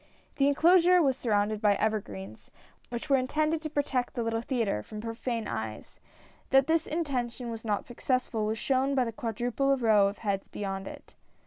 The enclosure was surrounded by evergreens, which were intended to protect the little theatre from profane eyes ; that this intention was not successful, was shown by the quadruple row of heads beyond it.